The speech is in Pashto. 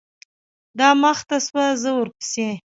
دا مخته سوه زه ورپسې.